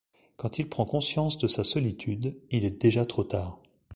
Quand il prend conscience de sa solitude, il est déjà trop tard.